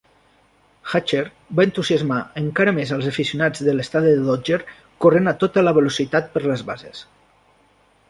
Hatcher va entusiasmar encara més els aficionats de l'estadi de Dodger corrent a tota la velocitat per les bases.